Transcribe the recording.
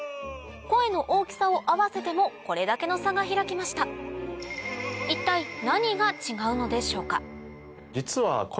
声の大きさを合わせてもこれだけの差が開きました一体実は。